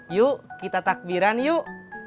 yuk kita takbiran yuk